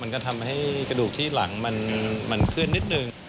มันก็ทำให้กระดูกที่หลังมันเคลื่อนนิดหนึ่ง